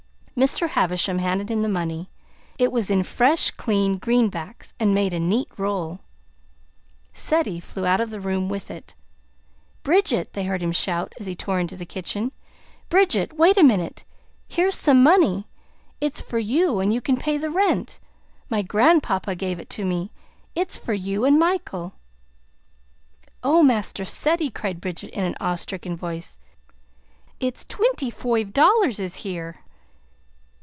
Mr. Havisham handed him the money. It was in fresh, clean greenbacks and made a neat roll. Ceddie flew out of the room with it. "Bridget!" they heard him shout, as he tore into the kitchen. "Bridget, wait a minute! Here's some money. It's for you, and you can pay the rent. My grandpapa gave it to me. It's for you and Michael!" "Oh, Master Ceddie!" cried Bridget, in an awe stricken voice. "It's twinty foive dollars is here.